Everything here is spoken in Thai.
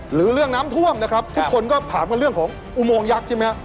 หรือเรื่องน้ำท่วมนะครับทุกคนก็ถามกันเรื่องของอุโมงยักษ์ใช่ไหมฮะ